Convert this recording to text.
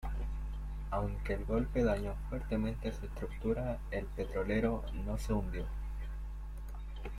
Aunque el golpe dañó fuertemente su estructura, el petrolero no se hundió.